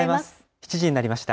７時になりました。